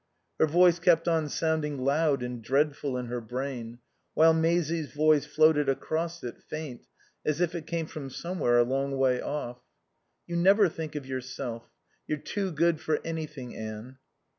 Her voice kept on sounding loud and dreadful in her brain, while Maisie's voice floated across it, faint, as if it came from somewhere a long way off. "You never think of yourself. You're too good for anything, Anne."